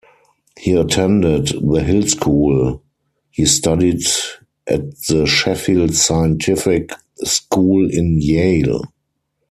He attended The Hill School He studied at the Sheffield Scientific School in Yale.